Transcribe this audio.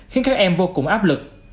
khiến các em vô cùng áp lực